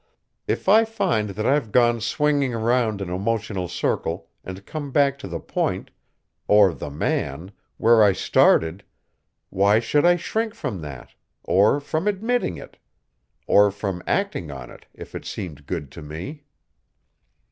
If I find that I've gone swinging around an emotional circle and come back to the point, or the man, where I started, why should I shrink from that, or from admitting it or from acting on it if it seemed good to me?"